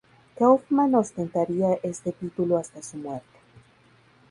Kaufmann ostentaría este título hasta su muerte.